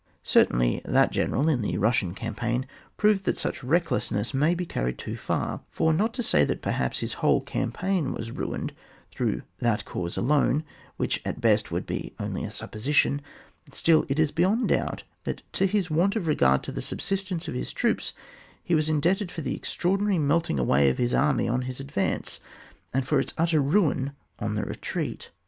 '* Certainly that general in the Bussian campaign proved that such recklessness may be carried too far, for not to say that perhaps his whole campaign was ruined through that cause alone, which at best would be only a supposition, still it is beyond doubt that to his want of regard to the subsistence of his troops he was indebted for the extraordinary melting away of his army on his advance, and for its utter ruin on the retreat.